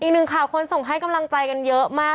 อีกหนึ่งข่าวคนส่งให้กำลังใจกันเยอะมาก